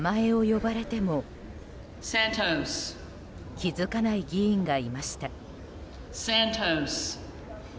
気づかない議員がいました。